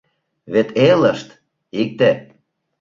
Вет элышт — икте.